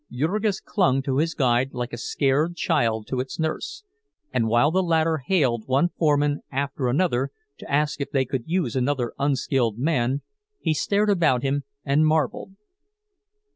Jurgis clung to his guide like a scared child to its nurse, and while the latter hailed one foreman after another to ask if they could use another unskilled man, he stared about him and marveled.